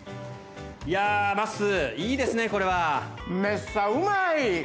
いやまっすーいいですねこれは。めっさうまい！